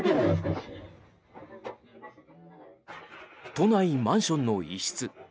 都内マンションの一室。